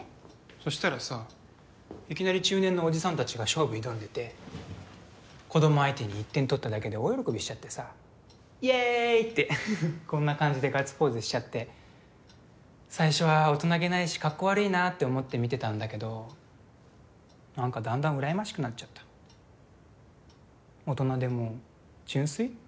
そしたらさいきなり中年のおじさん達が勝負挑んでて子供相手に１点取っただけで大喜びしちゃってさイエーイってこんな感じでガッツポーズしちゃって最初は大人げないしカッコ悪いなって思って見てたんだけど何かだんだんうらやましくなっちゃった大人でも純粋？